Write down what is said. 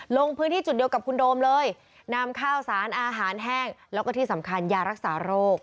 ลงพื้นที่จุดเดียวกับคุณโดมเลยนำข้าวสารอาหารแห้งแล้วก็ที่สำคัญยารักษาโรค